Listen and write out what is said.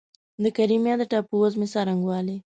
د کریمیا د ټاپووزمې څرنګوالی